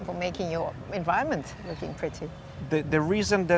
untuk membuat lingkungan anda kelihatan cantik